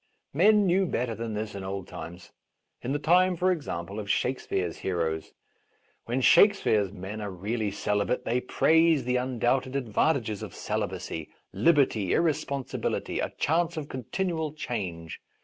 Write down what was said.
Men knew better than this in old times — in the time, for example, of Shakespeare's heroes. When Shakespeare's men are really celibate they praise the undoubted advantages of celibacy, liberty, irresponsi bility, a chance of continual change.